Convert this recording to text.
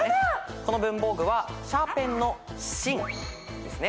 この文房具はシャーペンの「しん」ですね。